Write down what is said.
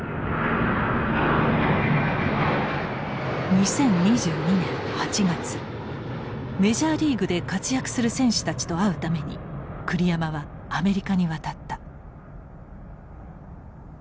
２０２２年８月メジャーリーグで活躍する選手たちと会うために栗山はアメリカに渡った。